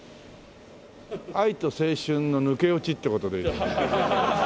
「愛と青春の抜け落ち」って事で。